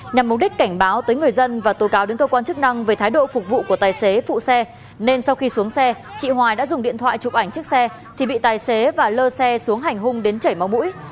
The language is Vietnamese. nhằm mục đích cảnh báo tới người dân và tố cáo đến cơ quan chức năng về thái độ phục vụ của tài xế phụ xe nên sau khi xuống xe chị hoài đã dùng điện thoại chụp ảnh chiếc xe thì bị tài xế và lơ xe xuống hành hung đến chảy máu mũi